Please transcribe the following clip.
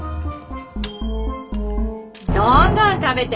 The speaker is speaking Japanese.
どんどん食べて。